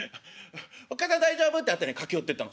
『おっ母さん大丈夫？』って駆け寄ってったの。